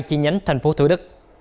chi nhánh tp thủ đức